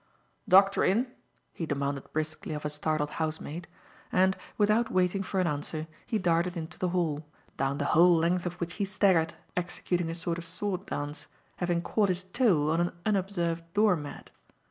"Doctor in?" he demanded briskly of a startled housemaid; and, without waiting for an answer, he darted into the hall, down the whole length of which he staggered, executing a sort of sword dance, having caught his toe on an unobserved door mat.